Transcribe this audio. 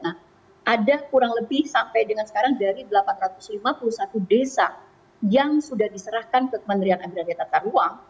nah ada kurang lebih sampai dengan sekarang dari delapan ratus lima puluh satu desa yang sudah diserahkan ke kementerian agraria tata ruang